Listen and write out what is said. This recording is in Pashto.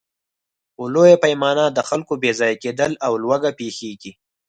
په لویه پیمانه د خلکو بېځایه کېدل او لوږه پېښېږي.